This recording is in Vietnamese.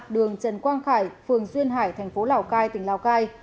đường trần quang khải phường duyên hải tp lào cai tỉnh lào cai